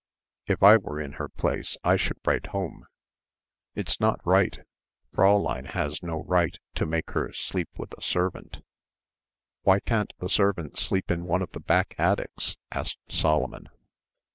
If I were in her place I should write home. It's not right. Fräulein has no right to make her sleep with a servant." "Why can't the servant sleep in one of the back attics?" asked Solomon.